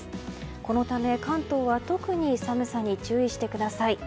このため、関東は特に寒さに注意してください。